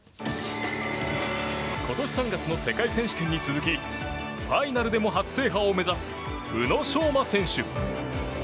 今年３月の世界選手権に続きファイナルでも初制覇を目指す宇野昌磨選手。